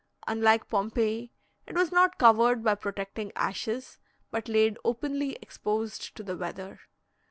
Unlike Pompeii, it was not covered by protecting ashes, but laid openly exposed to the weather.